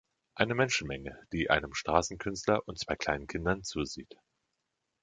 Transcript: Eine Menschenmenge, die einem Straßenkünstler und zwei kleinen Kindern zusieht.